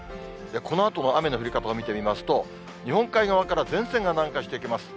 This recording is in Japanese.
このあとの雨の降り方を見てみますと、日本海側から前線が南下してきます。